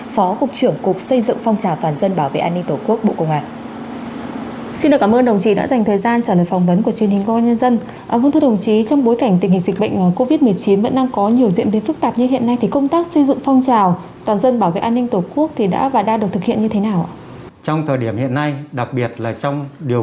phó cục trưởng cục xây dựng phong trào toàn dân bảo vệ an ninh tổ quốc bộ công an